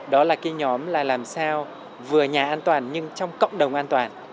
đó là cái nhóm là làm sao vừa nhà an toàn nhưng trong cộng đồng an toàn